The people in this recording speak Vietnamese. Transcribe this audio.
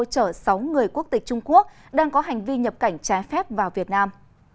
chở sáu người quốc tịch trung quốc đang có hành vi nhập cảnh trái phép vào việt nam